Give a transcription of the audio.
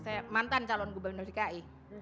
saya mantan calon gubernur dki